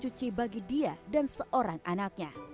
cuci bagi dia dan seorang anaknya